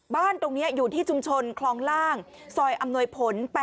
บ้านตรงนี้อยู่ที่ชุมชนคลองล่างซอยอำนวยผล๘